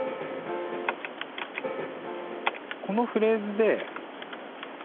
このフレーズで。